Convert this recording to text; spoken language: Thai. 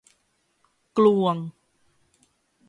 กลวง